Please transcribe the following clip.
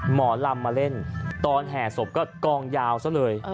หมอลำมาเล่นตอนแห่ศพก็กองยาวซะเลย